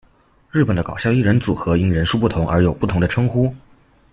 日本的搞笑艺人组合因人数不同而有不同的称呼。